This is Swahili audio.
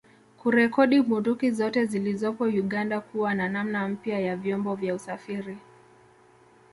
Kurekodi bunduki zote zilizopo Uganda kuwa na namna mpya ya vyombo vya usafiri